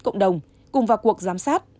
cộng đồng cùng vào cuộc giám sát